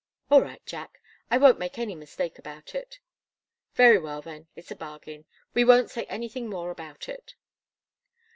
"All right, Jack. I won't make any mistake about it." "Very well, then. It's a bargain. We won't say anything more about it."